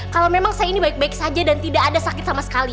kalau memang saya ini baik baik saja dan tidak ada sakit sama sekali